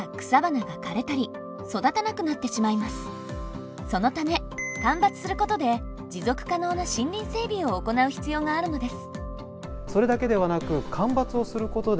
実はそのため間伐することで持続可能な森林整備を行う必要があるのです。